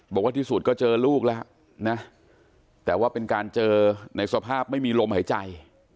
บอกว่าที่สุดก็เจอลูกแล้วนะแต่ว่าเป็นการเจอในสภาพไม่มีลมหายใจ